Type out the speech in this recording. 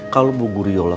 kalau bu guru yola